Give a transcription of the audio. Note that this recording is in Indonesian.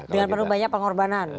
dengan penuh banyak pengorbanan